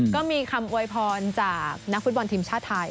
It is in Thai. ก็มีคำอวยพรจากนักฟุตบอลทีมชาติไทย